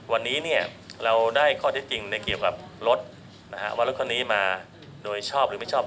วันนี้เนี่ยเราได้ข้อเท็จจริงในเกี่ยวกับรถนะฮะว่ารถคันนี้มาโดยชอบหรือไม่ชอบ